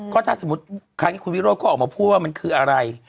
ก็ถ้าสมมุติครั้งนี้คุณวิโรธเขาออกมาพูดว่ามันคืออะไร